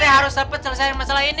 pak rt harus sempet selesain masalah ini